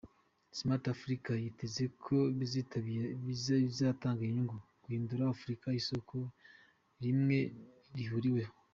Smart Africa yiteze ko bizatanga inyungu, duhindura Afurika isoko rimwe rihuriweho.